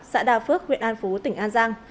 xã đa phước huyện an phú tỉnh an giang